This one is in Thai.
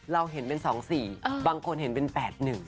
เราเห็น๘๒กองแล้วบางคนเห็นวงกลมเป็น๘๑กอง